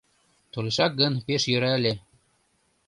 Толешак гын, пеш йӧра ыле.